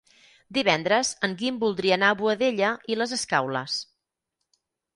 Divendres en Guim voldria anar a Boadella i les Escaules.